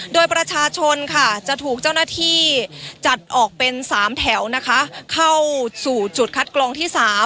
โดยประชาชนค่ะจะถูกเจ้าหน้าที่จัดออกเป็น๓แถวนะคะเข้าสู่จุดคัดกรองที่๓